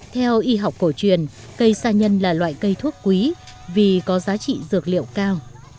theo y học cổ truyền cây sa nhân là loại cây thuốc quý vì có giá trị dược liệu cao